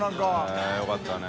へぇよかったね。